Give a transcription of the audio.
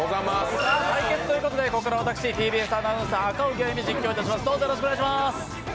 対決ということで、ここから私、ＴＢＳアナウンサー・赤荻歩実況いたします。